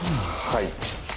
はい。